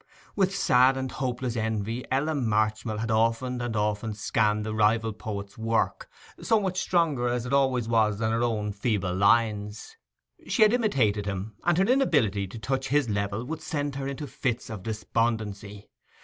With sad and hopeless envy, Ella Marchmill had often and often scanned the rival poet's work, so much stronger as it always was than her own feeble lines. She had imitated him, and her inability to touch his level would send her into fits of despondency.